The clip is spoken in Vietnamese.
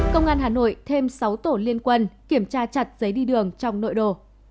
công an hà nội thêm sáu tổ liên quân kiểm tra chặt giấy đi đường trong nội đồ